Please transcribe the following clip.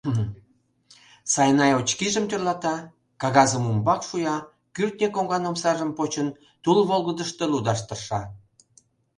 Сайнай очкижым тӧрлата, кагазым умбак шуя, кӱртньӧ коҥган омсажым почын, тул волгыдышто лудаш тырша.